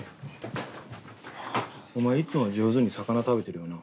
お前いつもは上手に魚食べてるよな？